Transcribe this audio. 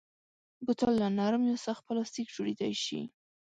بوتل له نرم یا سخت پلاستیک جوړېدای شي.